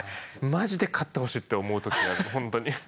マジで勝ってほしいって思う時があるほんとに。